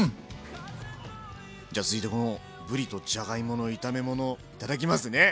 じゃ続いてこのぶりとじゃがいもの炒め物頂きますね。